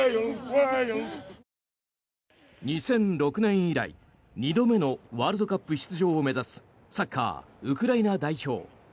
２００６年以来２度目のワールドカップ出場を目指すサッカーウクライナ代表。